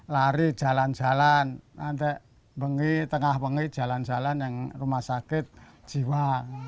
lari jalan jalan nanti tengah bengi jalan jalan yang rumah sakit jiwa